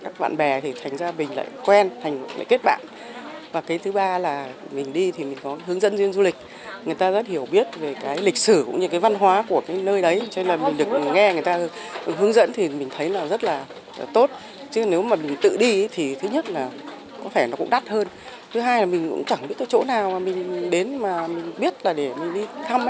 chẳng biết tới chỗ nào mà mình đến mà mình biết là để mình đi thăm ấy